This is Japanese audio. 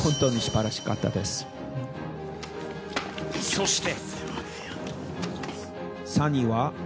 そして。